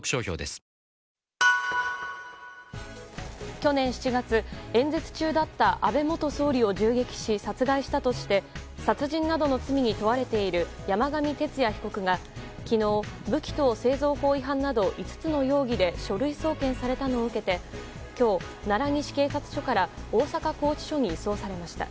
去年７月、演説中だった安倍元総理を銃撃し殺害したとして殺人などの罪に問われている山上徹也被告が昨日、武器等製造法違反など５つの容疑で書類送検されたのを受けて今日、奈良西警察署から大阪拘置所に移送されました。